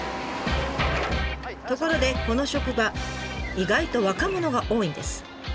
ところでこの職場意外と若者が多いんです。